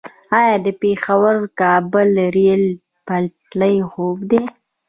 آیا د پیښور - کابل ریل پټلۍ خوب دی؟